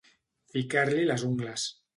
Ficar-li les ungles.